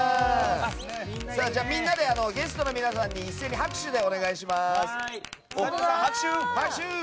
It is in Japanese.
みんなでゲストの皆さんに一斉に拍手お願いします。